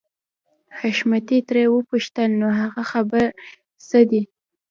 حشمتي ترې وپوښتل نو هغه خبرې څه دي.